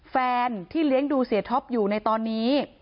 แฟนที่เลี้ยงดูเสียท็อปอยู่ในตอนนี้